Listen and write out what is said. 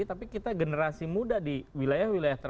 tapi kita generasi muda di wilayah wilayah tertentu